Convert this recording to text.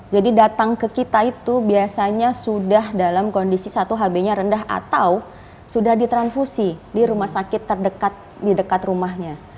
jadi datang ke kita itu biasanya sudah dalam kondisi satu hb rendah atau sudah ditransfusi di rumah sakit terdekat rumahnya